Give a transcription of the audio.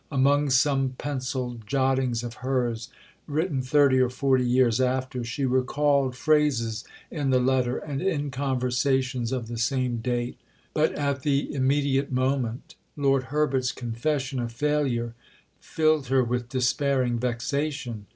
Among some pencilled jottings of hers, written thirty or forty years after, she recalled phrases in the letter and in conversations of the same date. But, at the immediate moment, Lord Herbert's confession of failure filled her with despairing vexation.